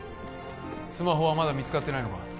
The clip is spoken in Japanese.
スマホはまだ見つかってないのか？